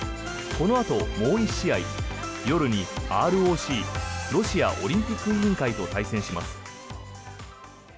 このあともう１試合夜にＲＯＣ・ロシアオリンピック委員会と対戦します。